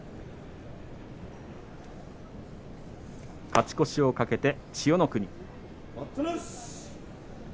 勝ち越しを懸けた千代の国。